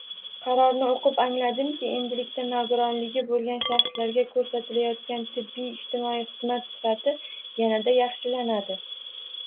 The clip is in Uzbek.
Qarorni oʻqib angladimki, endilikda nogironligi boʻlgan shaxslarga koʻrsatilayotgan tibbiy-ijtimoiy xizmat sifati yanada yaxshilanadi.